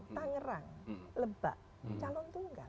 tangerang lebak calon tunggal